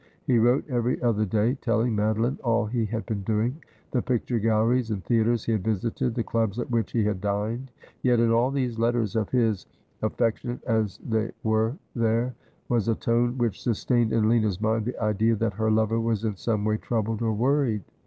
He wrote every other day, telling Madoline all he had been doing ; the picture galleries and theatres he had visited, the clubs at which he had dined ; yet in all these letters of his, affectionate as they were, there was a tone which sustained in Lina's mind the idea that her lover was in some way troubled or worried.